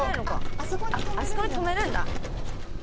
あそこに止めるんだ。